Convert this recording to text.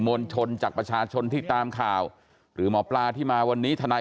มวลชนจากประชาชนที่ตามข่าวหรือหมอปลาที่มาวันนี้ทนาย